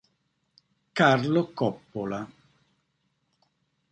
Carlo Coppola".